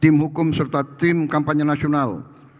tim hukum serta tim kampanye nasional